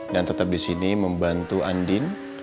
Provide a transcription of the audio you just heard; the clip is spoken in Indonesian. dan tetap di sini membantu andin